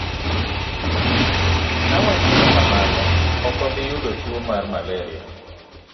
Ka watimo kamano, ok wabi yudo tuo mar malaria.